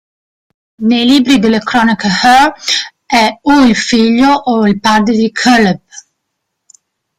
Nei Libri delle Cronache Hur è o il figlio o il padre di Caleb.